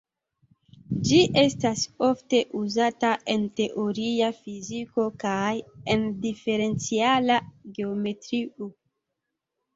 Ĝi estas ofte uzata en teoria fiziko kaj en diferenciala geometrio.